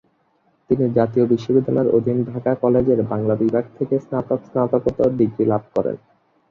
তিনি জাতীয় বিশ্ববিদ্যালয়ের অধীন ঢাকা কলেজের বাংলা বিভাগ থেকে স্নাতক স্নাতকোত্তর ডিগ্রি লাভ করেন।